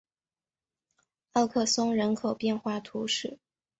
奥克松人口变化图示